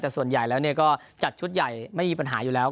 แต่ส่วนใหญ่แล้วก็จัดชุดใหญ่ไม่มีปัญหาอยู่แล้ว